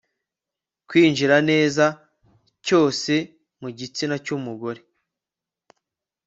kwinjira neza cyose mu gitsina cy'umugore